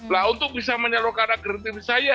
nah untuk bisa menyalurkan agresivitas saya